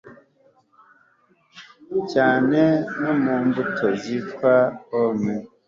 cyane no mu mbuto zitwa 'pommes'